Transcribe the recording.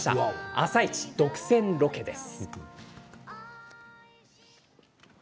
「あさイチ」独占ロケです。